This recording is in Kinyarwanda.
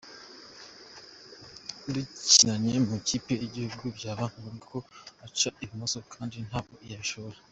Dukinannye mu ikipe y’igihugu byaba ngombwa ko aca ibumoso kandi ntabwo yibishobora.